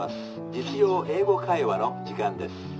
『実用英語会話』の時間です。